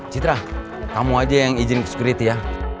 citra kamu aja yang izin ke security ya